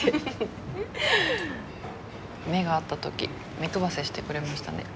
目が合ったとき目配せしてくれましたね。